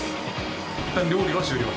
いったん料理は終了？